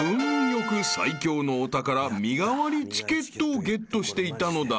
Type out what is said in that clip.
よく最強のお宝身代わりチケットをゲットしていたのだ］